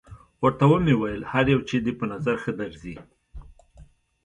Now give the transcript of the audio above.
ورته ومې ویل: هر یو چې دې په نظر ښه درځي.